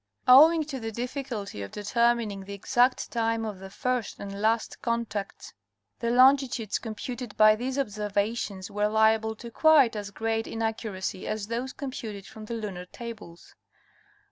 Owing to the difficulty of determining the exact time of the first and last contacts the longitudes computed by these obser vations were liable to quite as great inaccuracy as those computed from the lunar tables.